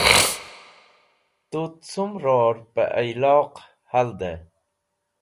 Tut cum ror pẽ iloq haldẽ?